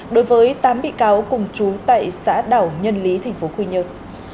đối với tám bị cáo cùng chú tại xã đảo nhân lý tp quy nhơn